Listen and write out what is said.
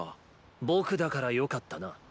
ぼくだから良かったな。